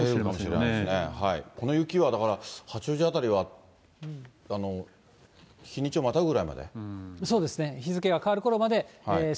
そうですよね、この雪はだから、八王子辺りは日にちをまたぐそうですね、日付が変わるこ